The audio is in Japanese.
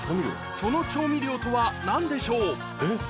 その調味料とは何でしょう？